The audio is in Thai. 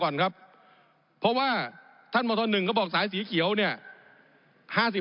ผมอภิปรายเรื่องการขยายสมภาษณ์รถไฟฟ้าสายสีเขียวนะครับ